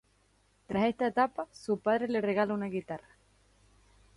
Tras esta etapa, su padre le regala una guitarra.